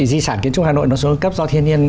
di sản kiến trúc hà nội nó xuống cấp do thiên nhiên